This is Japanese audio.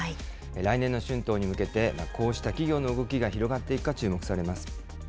来年の春闘に向けて、こうした企業の動きが広がっていくか注目されます。